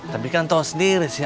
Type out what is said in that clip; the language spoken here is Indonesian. tapi kan tau sendiri sih